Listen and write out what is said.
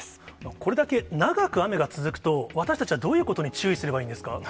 これだけ長く雨が続くと、私たちはどういうことに注意すればいいんですか？